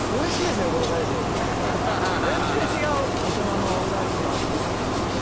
全然違う大人のサイズと味。